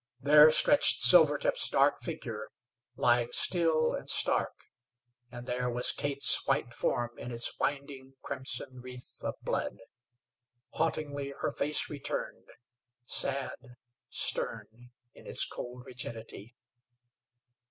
There stretched Silvertip's dark figure, lying still and stark, and there was Kate's white form in its winding, crimson wreath of blood. Hauntingly her face returned, sad, stern in its cold rigidity.